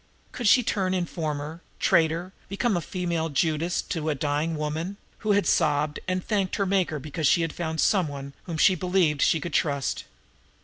Could she turn informer, traitor, become a female Judas to a dying woman, who had sobbed and thanked her Maker because she had found some one whom she believed she could trust?